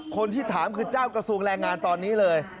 คนที่ถามคือเจ้ากระทรวงแรงงานตอนนี้เลย